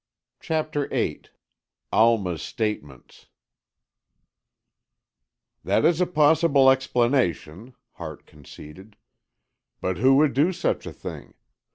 CHAPTER VIII ALMA'S STATEMENTS "That is a possible explanation," Hart conceded. "But who would do such a thing?